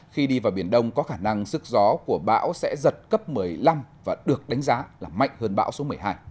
khi đi vào biển đông có khả năng sức gió của bão sẽ giật cấp một mươi năm và được đánh giá là mạnh hơn bão số một mươi hai